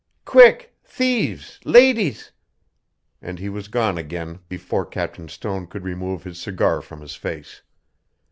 Quick thieves ladies!" and he was gone again before Captain Stone could remove his cigar from his face.